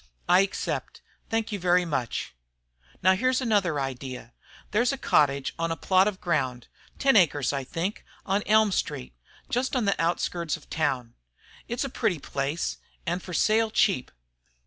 "I accept thank you very much." "Now here's another idea. There's a cottage and a plot of ground, ten acres, I think, on Elm Street, just on the out skirts of town. It's a pretty place and for sale cheap.